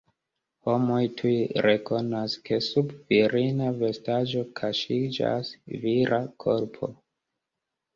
Homoj tuj rekonas, ke sub virina vestaĵo kaŝiĝas vira korpo.